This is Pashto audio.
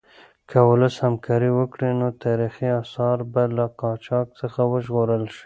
که ولس همکاري وکړي نو تاریخي اثار به له قاچاق څخه وژغورل شي.